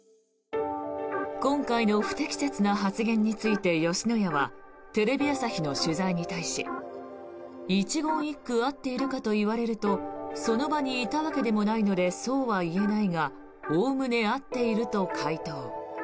今回の不適切な発言について吉野家はテレビ朝日の取材に対し一言一句合っているかといわれるとその場にいたわけでもないのでそうは言えないがおおむね合っていると回答。